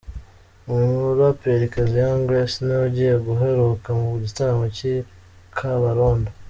Umuraperikazi Young Grace niwe ugiye guheruka mu gitaramo cy’ i kabarondo.